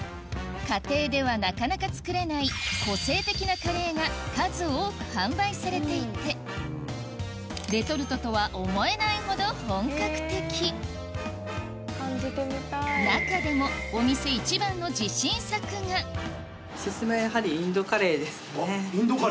家庭ではなかなか作れない個性的なカレーが数多く販売されていてレトルトとは思えないほど本格的中でもお店インドカレー。